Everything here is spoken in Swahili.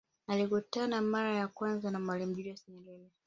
Alikutana mara ya kwanza na Mwalimu Julius Nyerere